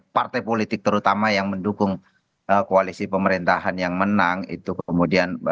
partai politik terutama yang mendukung koalisi pemerintahan yang menang itu kemudian